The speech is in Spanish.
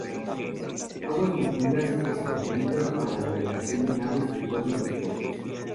Aguas profundas y sin peligros para la navegación de naves de todos los portes.